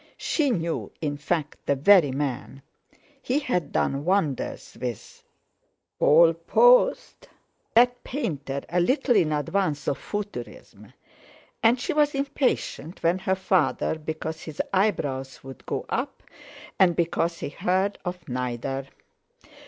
She knew, in fact, the very man. He had done wonders with. Paul Post—that painter a little in advance of Futurism; and she was impatient with her father because his eyebrows would go up, and because he had heard of neither.